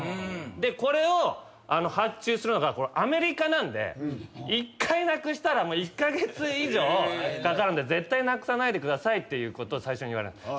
でこれを発注するのがアメリカなんで１回なくしたら１カ月以上かかるんで絶対なくさないでくださいっていうことを最初に言われる。